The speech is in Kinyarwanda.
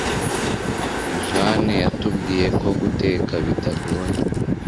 Jane yatubwiye ko guteka bitagoye